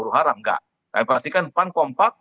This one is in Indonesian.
huru hara enggak saya pastikan pan kompak